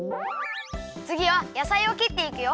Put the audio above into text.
つぎはやさいをきっていくよ。